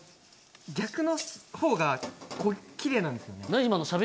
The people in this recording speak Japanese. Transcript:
逆のほうがきれいなんですよね。